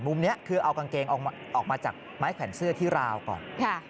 มุมนี้คือเอากางเกงออกมาจากไม้แขวนเสื้อที่ราวก่อน